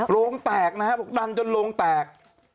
โรงแตกนะครับดันจนโรงแตก